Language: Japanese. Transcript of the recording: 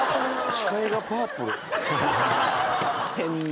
視界がパープル？